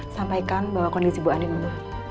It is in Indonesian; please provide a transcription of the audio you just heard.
sampaikan bahwa kondisi bu andin umur